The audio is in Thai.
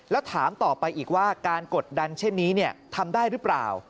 แล้วถามต่อไปอีกว่าการกดดันเช่นนี้ทำได้หรือเปล่า